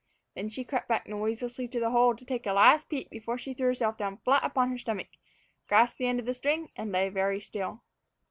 Then she crept back noiselessly to the hole to take a last peep before she threw herself down flat upon her stomach, grasped the end of the string, and lay very still.